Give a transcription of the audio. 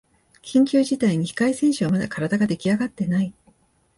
緊急事態に控え選手はまだ体ができあがってない